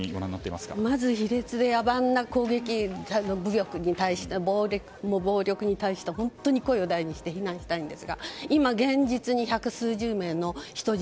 まず卑劣で野蛮な攻撃武力に対して、暴力に対して本当に声を大にして非難したいんですが今、現実に百数十名の人質